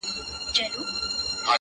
د محبت په کوم منزل کښې اوسم